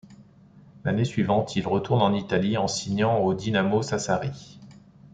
L'année suivante, il retourne en Italie en signant au Dinamo Sassari.